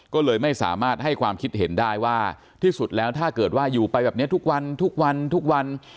ก็เลยไม่สามารถให้ความคิดเห็นได้ว่าที่สุดแล้วถ้าเกิดว่าอยู่ไปแบบนี้ทุกวันทุกวันทุกวัน